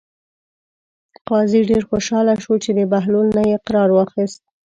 قاضي ډېر خوشحاله شو چې د بهلول نه یې اقرار واخیست.